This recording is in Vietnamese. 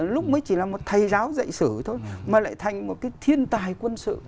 lúc mới chỉ là một thầy giáo dạy sử thôi mà lại thành một cái thiên tài quân sự